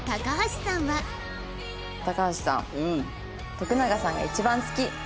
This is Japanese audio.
「徳永さんが一番好き！」